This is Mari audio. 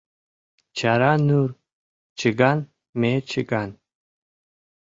Чара нур чыган ме чыган.